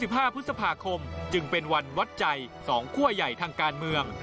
๕พฤษภาคมจึงเป็นวันวัดใจสองคั่วใหญ่ทางการเมือง